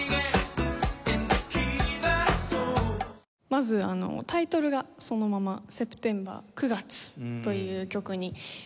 まずタイトルがそのまま『セプテンバー』「９月」という曲になっていまして。